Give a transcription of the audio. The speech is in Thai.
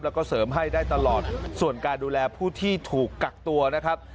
แล้วก็เสริมให้ได้ตลอดส่วนการดูแลผู้ที่ถูกกักตัวนะครับ